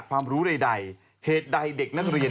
รู้ใดเหตุใดเด็กนักเรียน